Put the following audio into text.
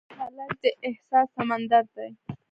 هلک د احساس سمندر دی.